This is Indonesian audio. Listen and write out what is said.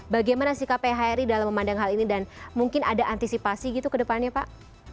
bagaimana sikap phri dalam memandang hal ini dan mungkin ada antisipasi gitu ke depannya pak